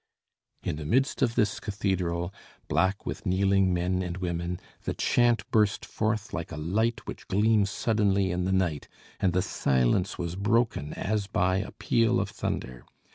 In the midst of this cathedral, black with kneeling men and women, the chant burst forth like a light which gleams suddenly in the night, and the silence was broken as by a peal of thunder.